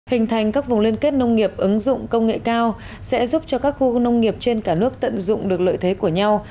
hình thành các vùng liên kết nông nghiệp ứng dụng công nghệ cao sẽ giúp cho các khu nông nghiệp trên cả nước tận dụng được lợi thế của nhau